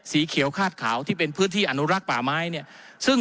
สีเขียวคาดขาวที่เป็นพื้นที่อนุรักษ์ป่าไม้เนี่ยซึ่ง